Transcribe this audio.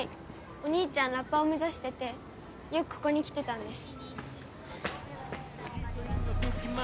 お兄ちゃんラッパーを目指しててよくここに来てたんです。